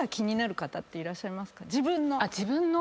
自分の。